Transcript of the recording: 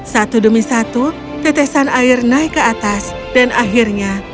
satu demi satu tetesan air naik ke atas dan akhirnya